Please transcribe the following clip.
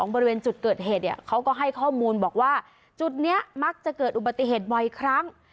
บริเวณจุดเกิดเหตุเนี่ยเขาก็ให้ข้อมูลบอกว่าจุดนี้มักจะเกิดอุบัติเหตุบ่อยครั้ง